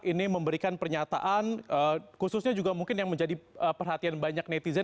ini memberikan pernyataan khususnya juga mungkin yang menjadi perhatian banyak netizen